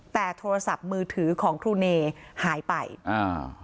แต่โทรศัพท์มือถือของครูเนหายไปอ่า